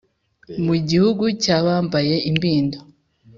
Mu gihugu cyabambaye imbindo